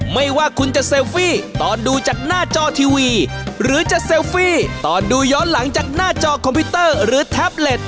ไม่ว่าคุณจะเซลฟี่ตอนดูจากหน้าจอทีวีหรือจะเซลฟี่ตอนดูย้อนหลังจากหน้าจอคอมพิวเตอร์หรือแท็บเล็ต